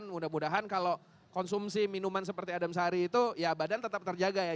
mudah mudahan kalau konsumsi minuman seperti adam sari itu ya badan tetap terjaga ya